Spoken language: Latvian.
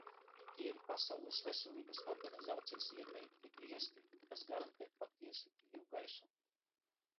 Tie ir Pasaules Veselības organizācijas ieteiktie griesti, kas garantē patiesi tīru gaisu.